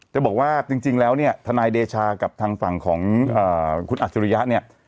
จะบอกว่าจริงแล้วเนี่ยทนายเดชากับทางฝั่งของคุณอัจฉริยะเนี่ย